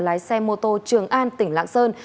lái xe mô tô trường an tỉnh lạng sơn